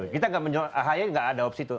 kita nggak menjual ahi nggak ada opsi itu